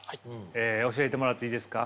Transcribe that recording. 教えてもらっていいですか。